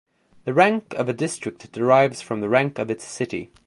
The rank of a district derives from the rank of its city.